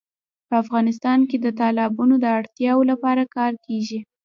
په افغانستان کې د تالابونو د اړتیاوو لپاره کار کېږي.